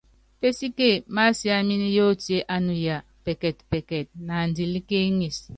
Pésíke masiámin yóotié ánuya pɛkɛtpɛkɛt naandilíkéeŋisí.